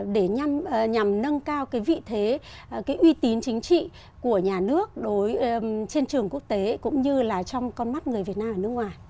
để nhằm nâng cao vị thế uy tín chính trị của nhà nước trên trường quốc tế cũng như là trong con mắt người việt nam ở nước ngoài